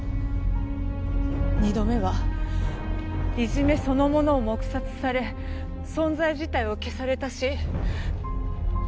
２度目はいじめそのものを黙殺され存在自体を消された死。